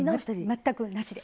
全くなしで。